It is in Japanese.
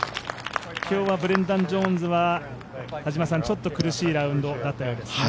今日はブレンダン・ジョーンズはちょっと苦しいラウンドになったようですね。